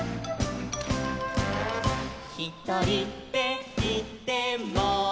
「ひとりでいても」